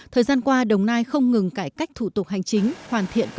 thời gian qua đồng nai không ngừng cải cách thủ tục hành chính